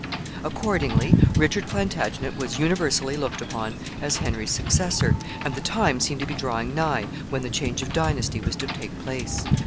Accordingly, Richard Plantagenet was universally looked upon as Henry's successor, and the time seemed to be drawing nigh when the change of dynasty was to take place.